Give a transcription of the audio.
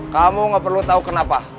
kamu gak perlu tahu kenapa